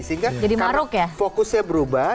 sehingga fokusnya berubah